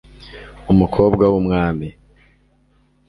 umukobwa w'umwami